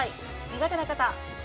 苦手な方？